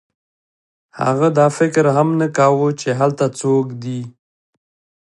هغه دا فکر هم نه کاوه چې هلته څوک دی